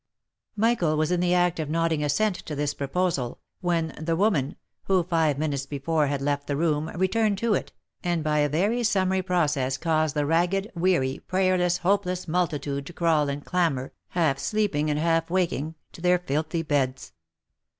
Michael was in the act of nodding assent to this proposal, when the woman, who live minutes before had left the room, returned to it, and by a very summary process caused the ragged, weary, prayerless, hopeless multitude to crawl and clamber, half sleeping and half wak ing, to their filthy beds.